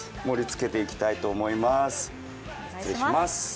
盛りつけていきたいと思います。